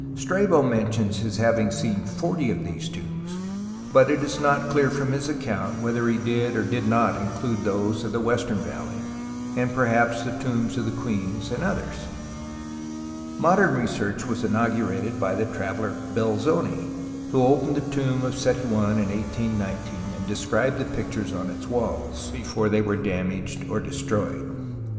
Strabo mentions his having seen forty of these tombs, but it is not clear from his account ^ TUTANKHAMEN whether he did not include those of the Western Valley and perhaps the Tombs of the Queens and others. JNIodern research was inaugurated by the traveller Belzoni who opened the tomb of Seti I in 1819 and described the pictures on its walls (Fig. 20 is copied from his note book) before they were damaged or destroyed.